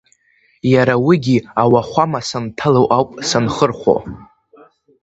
Иара уигьы ауахәама санҭало ауп санхырхәо.